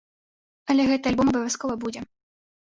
Але гэты альбом абавязкова будзе.